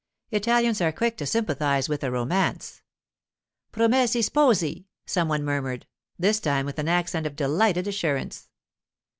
Italians are quick to sympathize with a romance. 'Promessi sposi,' some one murmured, this time with an accent of delighted assurance.